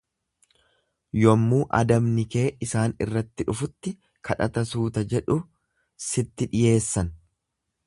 Yommuu adabni kee isaan irratti dhufutti kadhata suuta jedhu siitti dhiyeessan.